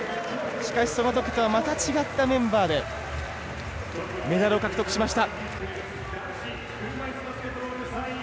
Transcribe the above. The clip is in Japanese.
しかし、そのときとはまた違ってメンバーでメダルを獲得しました。